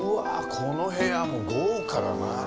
この部屋も豪華だな。